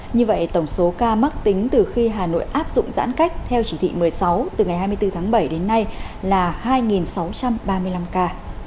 như vậy tổng số ca mắc tính từ khi hà nội áp dụng giãn cách theo chỉ thị một mươi sáu từ ngày hai mươi bốn tháng bảy đến nay là hai sáu trăm ba mươi năm ca